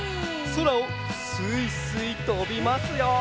そらをすいすいとびますよ！